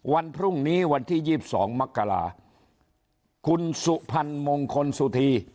วันพรุ่งนี้วันที่๒๒มกราคุณสุพรรณมงคลสุธี